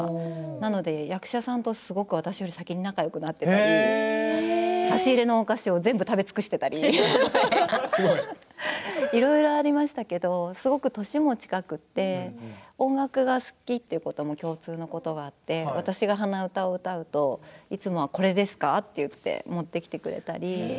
なので役者さんと私より先に仲よくなったりして差し入れのお菓子を全部食べ尽くしていたりいろいろありましたけどすごく年も近くて音楽が好きということも共通のことがあって私が鼻歌を歌うといつもはこれですかと言って持ってきてくれたり。